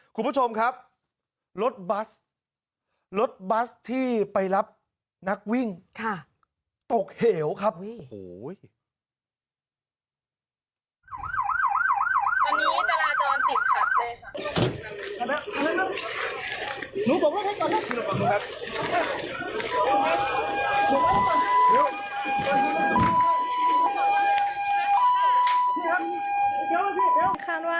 คุณผู้ชมครับรถบัสรถบัสที่ไปรับนักวิ่งตกเหวครับ